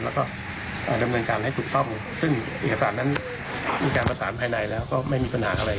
และเดินเรื่องการให้ตรุบต้องซึ่งเอกสารนั้นมีการปราสารภายในแล้วก็ไม่มีปัญหาอะไร